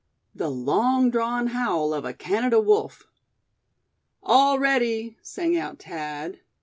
THE LONG DRAWN HOWL OF A CANADA WOLF. "All ready!" sang out Thad.